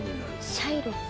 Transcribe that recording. シャイロック？